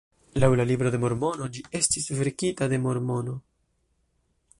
Laŭ la Libro de Mormono, ĝi estis verkita de Mormono.